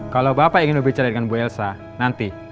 kalau bapak ingin berbicara dengan bu elsa nanti